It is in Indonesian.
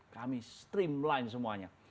kami streamline semuanya